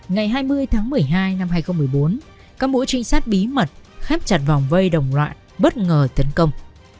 ngày hai mươi tháng một mươi hai năm hai nghìn một mươi bốn các mũi trinh sát bí mật khép chặt vòng vây đồng loạn bất ngờ tấn công